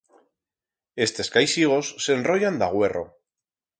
Estes caixigos s'enroyan d'agüerro.